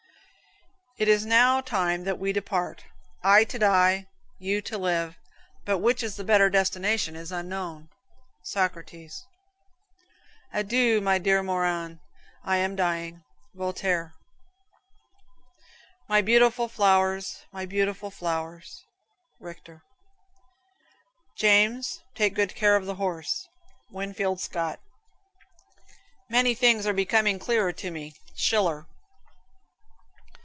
"It is now time that we depart I to die, you to live: but which is the better destination is unknown." Socrates. "Adieu, my dear Morand, I am dying." Voltaire. "My beautiful flowers, my lovely flowers." Richter. "James, take good care of the horse." Winfield Scott. "Many things are becoming clearer to me." Schiller.